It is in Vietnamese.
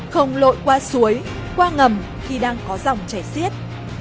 không lội qua suối qua ngầm khi đang có dòng chảy xiết